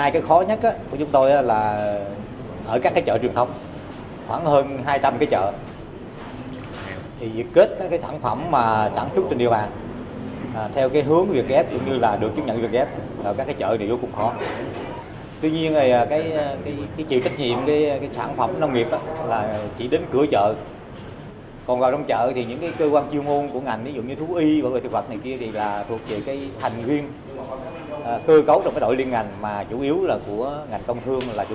cơ quan chiêu ngôn của ngành như thú y và người thực phẩm này kia là thuộc về thành viên cơ cấu trong đội liên ngành mà chủ yếu là của ngành công thương là chủ tịch